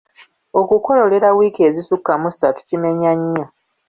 Okukololera wiiki ezisukka mu ssatu kimenya nnyo.